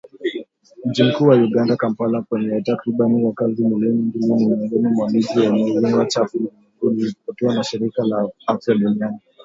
Mji mkuu wa Uganda, Kampala wenye takriban wakazi milioni mbili ni miongoni mwa miji yenye hewa chafu ulimwenguni, iliripotiwa na shirika la afya duniani .